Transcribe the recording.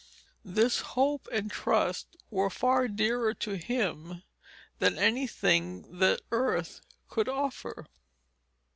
This hope and trust were far dearer to him, than any thing that earth could offer.